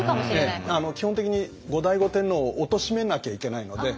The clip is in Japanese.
基本的に後醍醐天皇をおとしめなきゃいけないので。